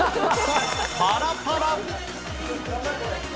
パラパラ。